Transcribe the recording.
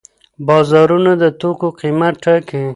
بازارونه د توکو قیمت ټاکي.